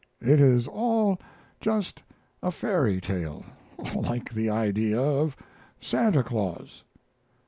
It is all just a fairy tale, like the idea of Santa Claus."